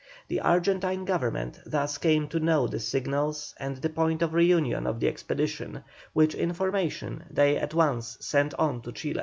The Argentine Government thus came to know the signals and the point of reunion of the expedition, which information they at once sent on to Chile.